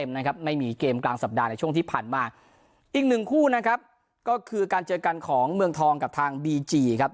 นะครับไม่มีเกมกลางสัปดาห์ในช่วงที่ผ่านมาอีกหนึ่งคู่นะครับก็คือการเจอกันของเมืองทองกับทางบีจีครับ